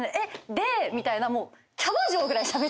でみたいな。